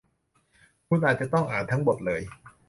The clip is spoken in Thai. คุณอาจจะต้องอ่านทั้งบทเลย